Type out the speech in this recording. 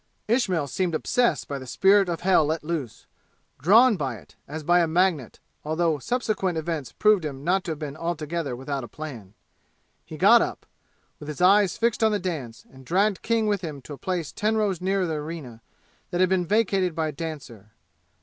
Ismail seemed obsessed by the spirit of hell let loose drawn by it, as by a magnet, although subsequent events proved him not to have been altogether without a plan. He got up, with his eyes fixed on the dance, and dragged King with him to a place ten rows nearer the arena, that had been vacated by a dancer.